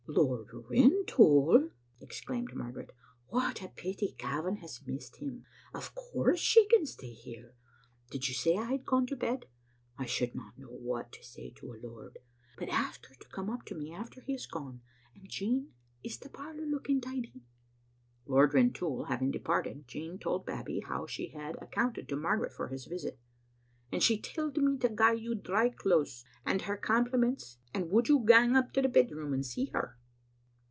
" Lord Rintoul !" exclaimed Margaret. " What a pity Gavin has missed him. Of course she can stay here. Did you say I had gone to bed? I should not know what to say to a lord. But ask her to come up to me after he has gone — and, Jean, is the parlor looking tidy?" Lord Rintoul having departed, Jean told Babbie how she had accounted to Margaret for his visit. " And she telled me to gie you dry claethes and her compliments, and would you gang up to the bedroom and see her?"